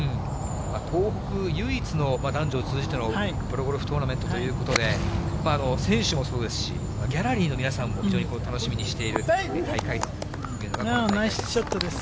東北唯一の男女を通じてのプロゴルフトーナメントということで、選手もそうですし、ギャラリーの皆さんも非常に楽しみにしてナイスショットです。